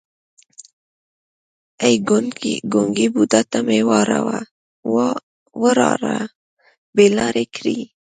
ای ګونګی بوډا تا مې وراره بې لارې کړی.